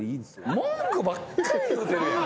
文句ばっかり言うてるやん。